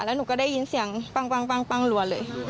แล้วหนูก็ได้ยินเสียงปั้งรัวเลย